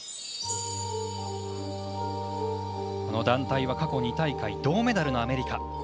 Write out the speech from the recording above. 団体は過去２大会銅メダルのアメリカ。